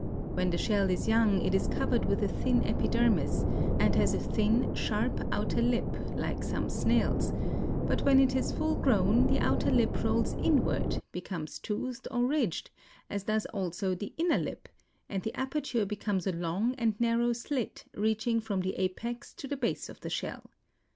When the shell is young it is covered with a thin epidermis and has a thin, sharp outer lip, like some snails, but when it is full grown the outer lip rolls inward, becomes toothed or ridged, as does also the inner lip, and the aperture becomes a long and narrow slit reaching from the apex to the base of the shell.